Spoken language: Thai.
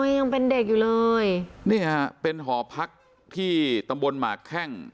ยังเป็นเด็กอยู่เลยนี่ฮะเป็นหอพักที่ตำบลหมากแข้ง